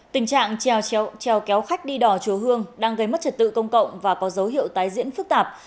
tình trạng trèo kéo khách đi đò chúa hương đang gây mất trật tự công cộng và có dấu hiệu tái diễn phức tạp